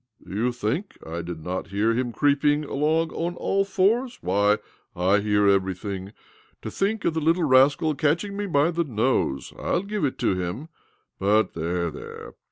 "Do you think I did not hear hi creeping along on all fours? Why, I he; everything. To think of the little rase catching me by the nose ! /'11 give it hin: But there, there."